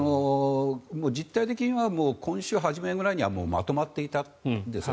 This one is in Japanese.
実態的には今週初めぐらいにはもうまとまっていたんです。